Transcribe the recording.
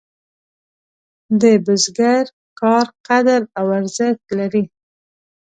د بزګر کار قدر او ارزښت لري.